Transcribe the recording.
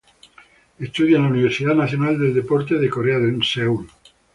Estudia en la Universidad Nacional de Deporte de Corea en Seúl.